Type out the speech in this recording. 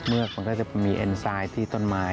กมันก็จะมีเอ็นไซด์ที่ต้นไม้